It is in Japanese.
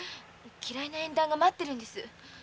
嫌いな縁談が待っているんです。